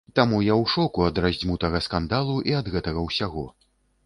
Таму я ў шоку ад раздзьмутага скандалу і ад гэтага ўсяго.